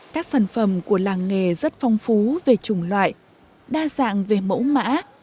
các sản phẩm của làng nghề rất phong phú về chủng loại đa dạng về mẫu mã